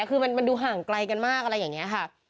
คือมันดูห่างไกลกันมากอะไรอย่างนี้ค่ะ